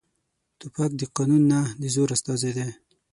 توپک د قانون نه، د زور استازی دی.